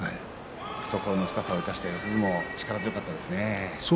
懐を生かした四つ相撲強かったですね。